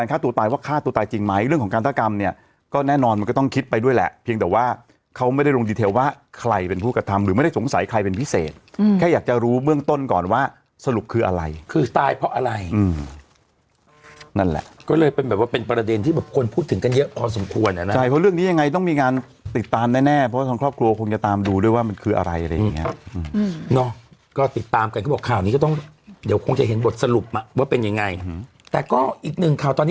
ฆ่าตัวตายว่าฆ่าตัวตายจริงไหมเรื่องของการธกรรมเนี่ยก็แน่นอนมันก็ต้องคิดไปด้วยแหละเพียงแต่ว่าเขาไม่ได้ลงว่าใครเป็นผู้กระทำหรือไม่ได้สงสัยใครเป็นพิเศษอืมแค่อยากจะรู้เบื้องต้นก่อนว่าสรุปคืออะไรคือตายเพราะอะไรอืมนั่นแหละก็เลยเป็นแบบว่าเป็นประเด็นที่แบบควรพูดถึงกันเยอะพ